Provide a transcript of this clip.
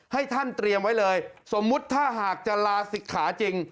ให้ท่านเตรียมไว้เลยสมมุติถ้าหากจะลาศิกขาจริง